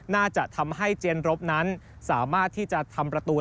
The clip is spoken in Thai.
น่าจะทำให้เจียนรบนั้นสามารถที่จะทำประตู